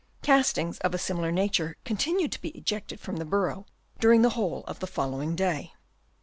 Castings of a similar nature continued to be ejected from the burrow during the whole of the following day.